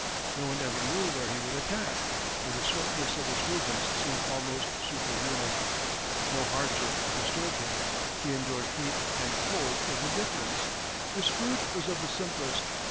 No one ever knew where he would attack, for the swiftness of his movements seemed almost superhuman. No hardship disturbed him; he endured heat and cold with indifference; his food was of the simplest.